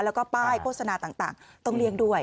แล้วก็ป้ายโฆษณาต่างต้องเลี่ยงด้วย